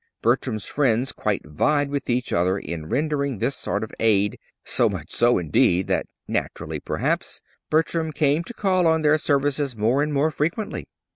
Bertram's friends quite vied with each other in rendering this sort of aid, so much so, indeed, that naturally, perhaps Bertram came to call on their services more and more frequently.